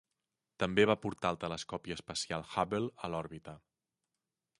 També va portar el telescopi espacial Hubble a l'òrbita.